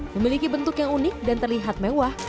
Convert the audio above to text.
memiliki bentuk yang unik dan terlihat mewah